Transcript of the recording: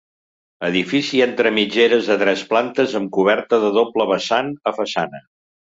Edifici entre mitgeres de tres plantes amb coberta de doble vessant a façana.